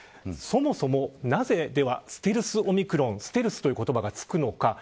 そもそもなぜステルスオミクロンステルスという言葉がつくのか。